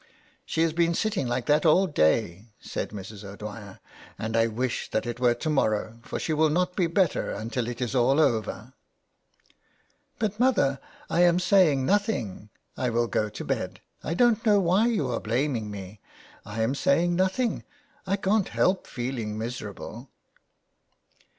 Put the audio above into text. " She has been sitting like that all day," said Mrs. O'Dwyer, " and I wish that it were 250 THE WEDDING GOWN. to morrow, for she will not be better until it is all over." *' But, mother, I am saying nothing ; I will go to bed. I don't know why you are blaming me. I am saying nothing. I can't help feeling miserable."